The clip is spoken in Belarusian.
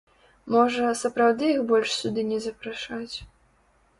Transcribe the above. Можа, сапраўды іх больш сюды не запрашаць?